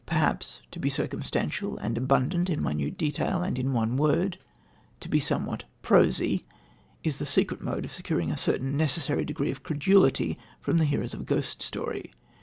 Perhaps, to be circumstantial and abundant in minute detail and in one word ... to be somewhat prosy, is the secret mode of securing a certain necessary degree of credulity from the hearers of a ghost story...